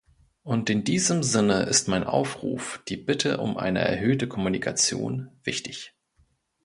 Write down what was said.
Und in diesem Sinne ist mein Aufruf, die Bitte um eine erhöhte Kommunikation, wichtig.